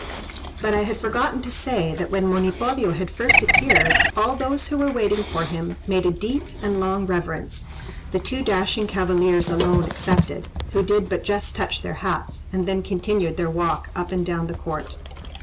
But I had forgotten to say, that when Monipodio had first appeared, all those who were waiting for him, made a deep and long reverence, the two dashing cavaliers alone excepted, who did but just touch their hats, and then continued their walk up and down the court.